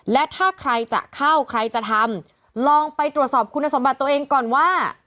และถ้าใครจะเข้าใครจะทำลองไปตรวจสอบคุณสมบัติตัวเองก่อนว่า